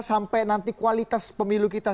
sampai nanti kualitas pemilu kita